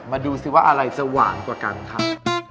มาดูซิว่าอะไรจะหวานกว่ากันครับ